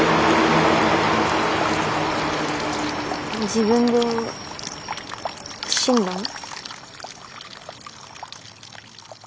自分で死んだん？